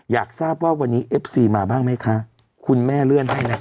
อยากทราบว่าวันนี้เอฟซีมาบ้างไหมคะคุณแม่เลื่อนได้ไหม